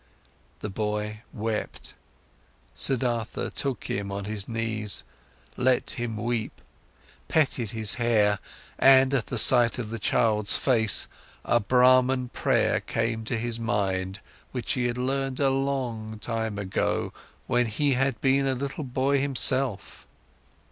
The boy wept, Siddhartha took him on his knees, let him weep, petted his hair, and at the sight of the child's face, a Brahman prayer came to his mind, which he had learned a long time ago, when he had been a little boy himself.